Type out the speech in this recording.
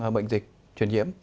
bệnh dịch truyền nhiễm